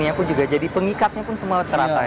ini pun juga jadi pengikatnya pun semua teratai